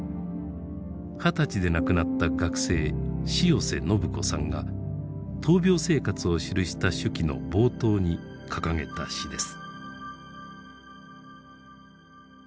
二十歳で亡くなった学生塩瀬信子さんが闘病生活を記した手記の冒頭に掲げた詩です。